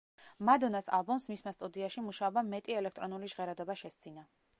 მადონას ალბომს მისმა სტუდიაში მუშაობამ მეტი ელექტრონული ჟღერადობა შესძინა.